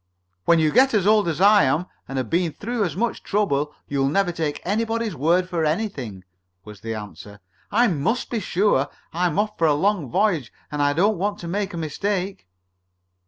"When you get as old as I am, and have been through as much trouble, you'll never take anybody's word for anything," was the answer. "I must be sure. I'm off for a long voyage, and I don't want to make a mistake."